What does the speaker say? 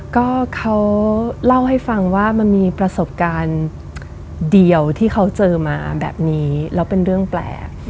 ก็เขาเล่าให้ฟังว่ามันมีประสบการณ์เดียวที่เขาเจอมาแบบนี้แล้วเป็นเรื่องแปลก